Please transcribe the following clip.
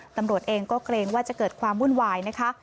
ตำรวจเองก็เกรงว่าจะเกิดความวุ่นวายนะคะ